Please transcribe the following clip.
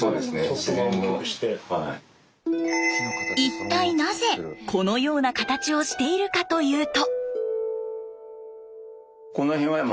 一体なぜこのような形をしているかというと。